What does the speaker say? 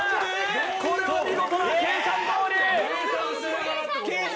これは見事な、計算通り。